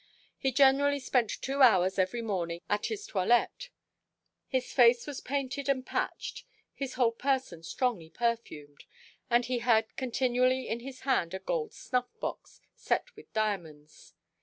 He generally spent two hours every morning at his toilette. His face was painted and patched, his whole person strongly perfumed, and he had continually in his hand a gold snuff box set with diamonds.